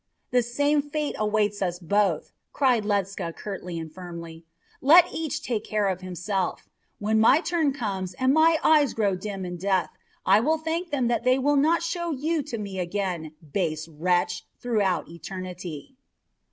"The same fate awaits us both," cried Ledscha curtly and firmly. "Let each take care of himself. When my turn comes and my eyes grow dim in death, I will thank them that they will not show you to me again, base wretch, throughout eternity."